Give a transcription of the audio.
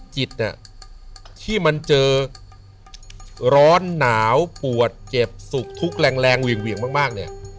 จิตที่มันเจอร้อนหนาวปวดเจ็บสุขทุกข์แรงเหวี่ยงมากเนี่ย